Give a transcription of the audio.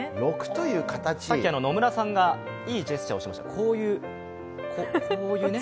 さっき野村さんが、いいジェスチャーをしました。